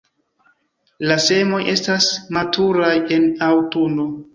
La semoj estas maturaj en aŭtuno.